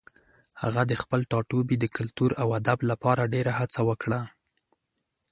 هغه د خپل ټاټوبي د کلتور او ادب لپاره ډېره هڅه وکړه.